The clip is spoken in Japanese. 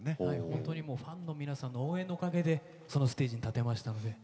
ほんとにもうファンの皆さんの応援のおかげでそのステージに立てましたので。